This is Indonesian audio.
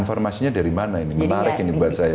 informasinya dari mana ini menarik ini buat saya